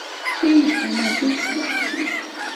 C 语言的机器表示